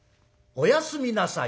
「おやすみなさい」。